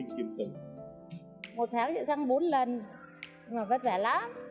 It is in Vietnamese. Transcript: một tháng chịu săng bốn lần mà vất vả lắm